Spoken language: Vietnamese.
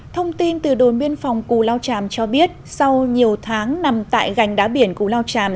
thông tin từ đồn biên phòng cù lao tràm cho biết sau nhiều tháng nằm tại gành đá biển cù lao tràm